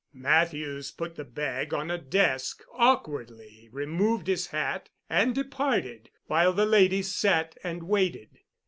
Matthews put the bag on a desk, awkwardly removed his hat and departed, while the lady sat and waited.